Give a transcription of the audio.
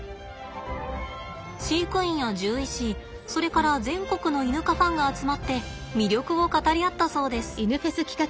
飼育員や獣医師それから全国のイヌ科ファンが集まって魅力を語り合ったそうです。